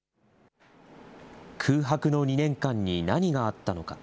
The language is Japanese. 空白の２年間に何があったのか。